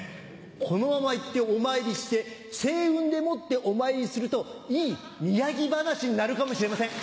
このまま行ってお参りして青雲でもってお参りするといいミヤギ話になるかもしれません。